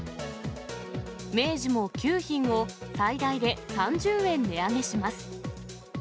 明治も９品を最大で３０円値上げします。